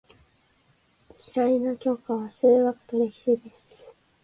嫌いな教科は数学と歴史です。